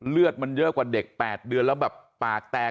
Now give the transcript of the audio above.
เลือดมันเยอะกว่าเด็ก๘เดือนแล้วแบบปากแตก